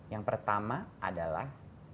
yang pertama adalah